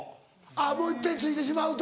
あっもう一遍ついてしまうと。